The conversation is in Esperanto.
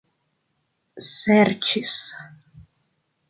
serĉis